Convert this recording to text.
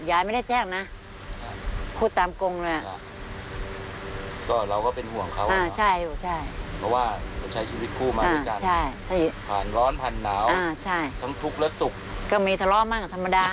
ก็มีทะเลาะมากกว่าธรรมดา